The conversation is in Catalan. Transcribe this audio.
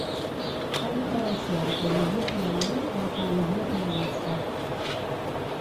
Cal diferenciar la teologia femenina de la teologia feminista.